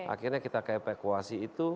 akhirnya kita ke evakuasi itu